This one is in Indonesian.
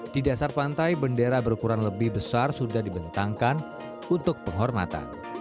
di dasar pantai bendera berkurang lebih besar sudah dibentangkan untuk penghormatan